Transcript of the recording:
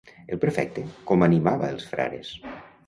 El prefecte, com animava els frares?